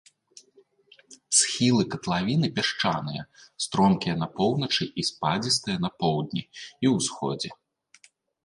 Схілы катлавіны пясчаныя, стромкія на поўначы і спадзістыя на поўдні і ўсходзе.